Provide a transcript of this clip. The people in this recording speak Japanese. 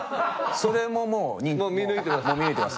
それももう見抜いてます。